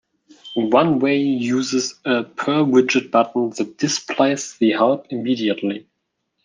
One way uses a per widget button that displays the help immediately.